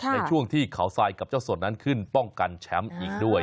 ในช่วงที่เขาทรายกับเจ้าสดนั้นขึ้นป้องกันแชมป์อีกด้วย